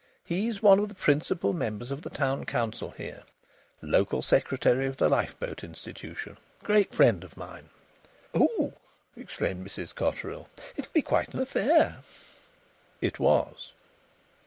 "He's one of the principal members of the Town Council here; Local Secretary of the Lifeboat Institution. Great friend of mine." "Oh!" exclaimed Mrs Cotterill, "it'll be quite an affair." It was.